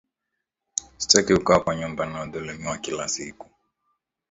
Sitaki kukaa kwa nyumba ninayo dhulumiwa kila siku.